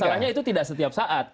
masalahnya itu tidak setiap saat